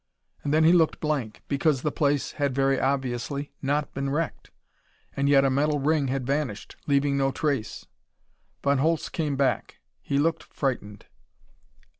And then he looked blank. Because the place had very obviously not been wrecked. And yet a metal ring had vanished, leaving no trace.... Von Holtz came back. He looked frightened.